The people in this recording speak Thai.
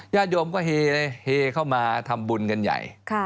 ญาติโยมก็เฮเลยเฮเข้ามาทำบุญกันใหญ่